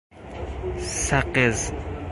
سقز